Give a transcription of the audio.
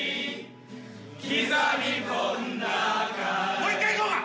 もう一回いこうか！